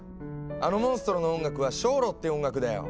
あのモンストロの音楽は「ショーロ」っていう音楽だよ。